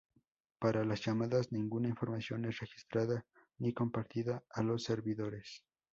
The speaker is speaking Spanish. Para las llamadas, ninguna información es registrada ni compartida a los servidores.